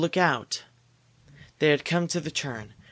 Look out!" They had come to the turn.